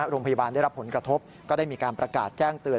โรงพยาบาลได้รับผลกระทบก็ได้มีการประกาศแจ้งเตือน